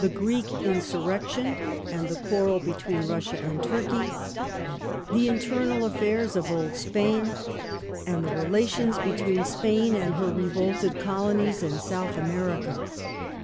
Gi:eek insurrection p^^i^J y" and the quarrel between Russia and Turkey ; the internal affairs of old Spain ; and the relations between Spain and her revolted j\ Colonies in South America.